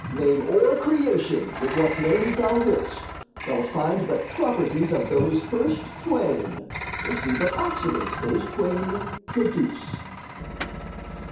Name o'er creation with what names thou wilt, Thou'lt find but properties of those first twain, Or see but accidents those twain produce.